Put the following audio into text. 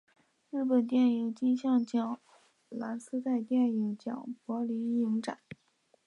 日本电影金像奖蓝丝带电影奖柏林影展